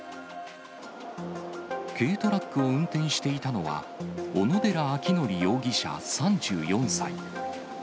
軽トラックを運転していたのは、小野寺章仁容疑者３４歳。